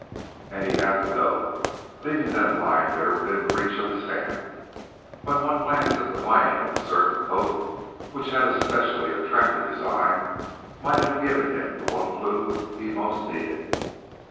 And he had to go, leaving them lying there within reach of his hand, when one glance at the lining of a certain coat which had especially attracted his eye might have given him the one clue he most needed.